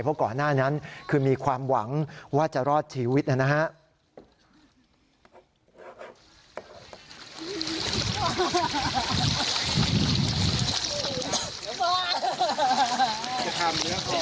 เพราะก่อนหน้านั้นคือมีความหวังว่าจะรอดชีวิตนะครับ